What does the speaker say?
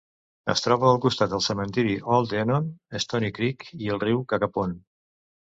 Es troba al costat del cementiri Old Enon, Stony Creek i el riu Cacapon.